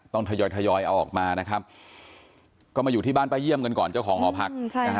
ทยอยเอาออกมานะครับก็มาอยู่ที่บ้านป้าเยี่ยมกันก่อนเจ้าของหอพัก